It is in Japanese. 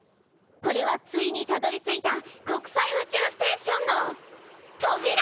これはついにたどりついた国際宇宙ステーションのとびら！